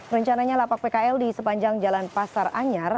rencananya lapak pkl di sepanjang jalan pasar anyar